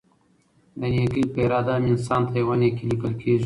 د نيکي په اراده هم؛ انسان ته يوه نيکي ليکل کيږي